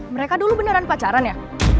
mereka dulu beneran pacaran ya